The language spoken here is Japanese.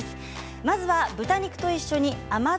まずは豚肉と一緒に甘酢